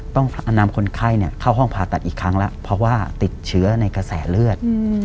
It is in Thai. ต้องนำคนไข้เข้าห้องผ่าตัดอีกครั้งแล้วเพราะว่าติดเชื้อในกระแสเลือด